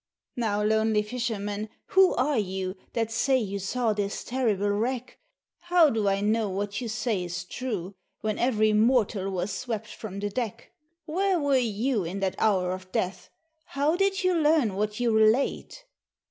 "Now, lonely fisherman, who are you That say you saw this terrible wreck? How do I know what you say is true, When every mortal was swept from the deck? Where were you in that hour of death? How did you learn what you relate?"